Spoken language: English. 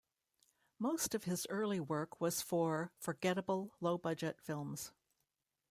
Most of his early work was for forgettable low-budget films.